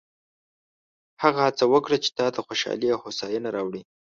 هغه هڅه وکړه چې تا ته خوشحالي او هوساینه راوړي.